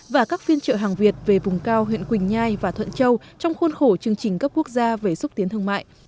và các phiên trợ hàng việt về vùng cao huyện quỳnh nhai và thuận châu trong khuôn khổ chương trình cấp quốc gia về xúc tiến thương mại